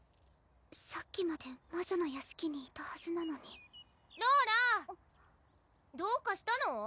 さっきまで魔女の屋敷にいたはずなのに・ローラ・どうかしたの？